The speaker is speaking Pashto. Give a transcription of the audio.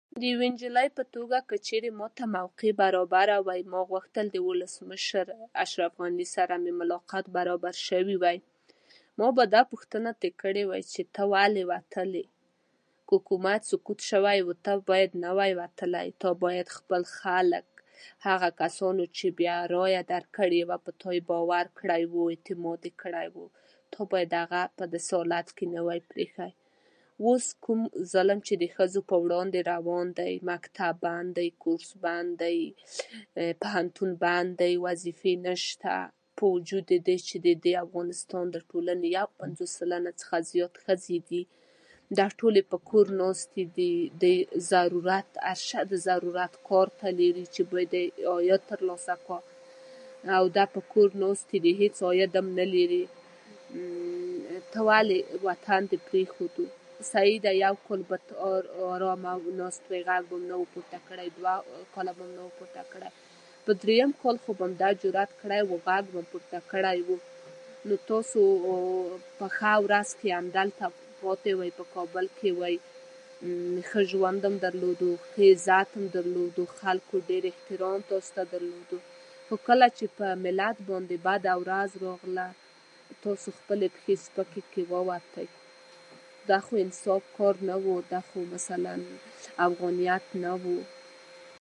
راځه زه هم بهر ولاړ يم ښوونځي ته به یو ځای لاړ شو